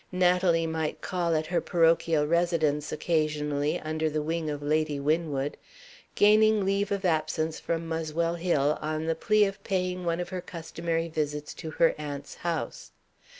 Natalie might call at her parochial residence occasionally, under the wing of Lady Winwood; gaining leave of absence from Muswell Hill, on the plea of paying one of her customary visits at her aunt's house.